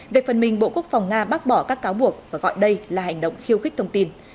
về phần mình bộ quốc phòng nga bác bỏ các cáo buộc và gọi đây là hành động khiêu khích thông tin